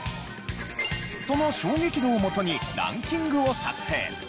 その衝撃度をもとにランキングを作成。